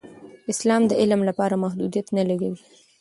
اسلام د علم لپاره محدودیت نه لګوي.